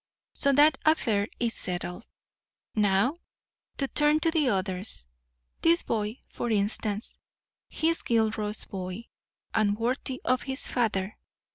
So that affair is settled. Now, to turn to the others. This boy, for instance; he is Gilroy's boy and worthy of his father.